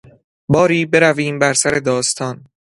باری برویم بر سر داستان.